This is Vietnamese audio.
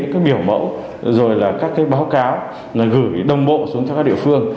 hiểu mẫu rồi là các báo cáo gửi đồng bộ xuống cho các địa phương